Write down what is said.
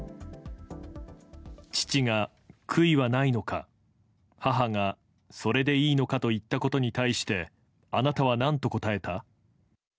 父が悔いはないのか、母がそれでいいのかと言ったことに対して、あなたはなんと答えた？